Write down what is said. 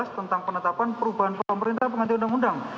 tentang penetapan perubahan pemerintahan pengantin undang undang